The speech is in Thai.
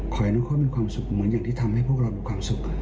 ขอให้น้องเขามีความสุขเหมือนอย่างที่ทำให้พวกเรามีความสุข